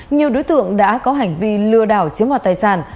nhiều đối tượng đã có hành vi lừa đảo chiếm hoạt tài sản